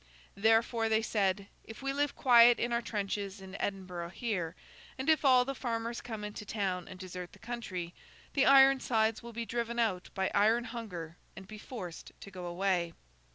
Therefore they said, 'If we live quiet in our trenches in Edinburgh here, and if all the farmers come into the town and desert the country, the Ironsides will be driven out by iron hunger and be forced to go away.